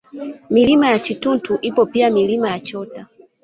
Milima ya Chituntu ipo pia Milima ya Chocha